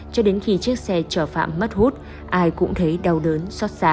cho đến khi chiếc xe trở phạm mất hút ai cũng thấy đau đớn xót xà